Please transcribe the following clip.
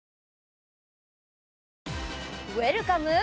「ウェルカム！」